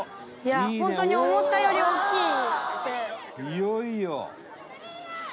「いよいよ！」